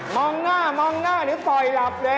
มองหน้ามองหน้าหรือปล่อยหลับเลย